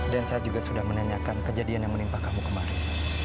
dan saya juga sudah menanyakan kejadian yang menimpa kamu kemarin